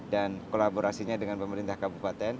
dan kolaborasinya dengan pemerintah kabupaten